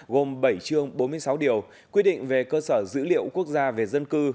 gồm bảy chương bốn mươi sáu điều quy định về cơ sở dữ liệu quốc gia về dân cư